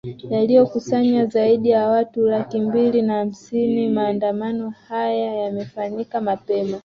yaliokusanya zaidi ya watu laki mbili na hamsini maandamano haya yamefanyika mapema